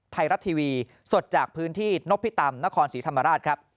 ไทยรัฐทีวีสดจากพื้นที่นพิตำนครศรีธรรมราชครับ